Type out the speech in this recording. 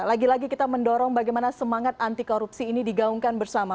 lagi lagi kita mendorong bagaimana semangat anti korupsi ini digaungkan bersama